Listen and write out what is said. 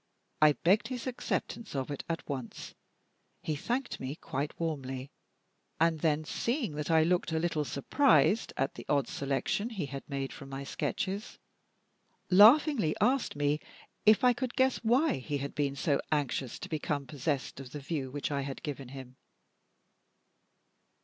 I begged his acceptance of it at once. He thanked me quite warmly; and then, seeing that I looked a little surprised at the odd selection he had made from my sketches, laughingly asked me if I could guess why he had been so anxious to become possessed of the view which I had given him?